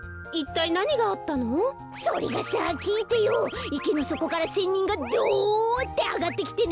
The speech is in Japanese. いけのそこから仙人がどってあがってきてね